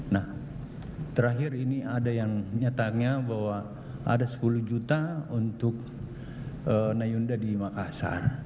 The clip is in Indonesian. nah terakhir ini ada yang nyatanya bahwa ada sepuluh juta untuk nayunda di makassar